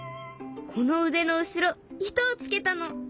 この腕の後ろ糸を付けたの。